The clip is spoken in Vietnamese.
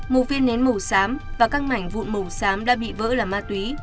một viên nén màu xám và các mảnh vụn màu xám đã bị vỡ là ma túy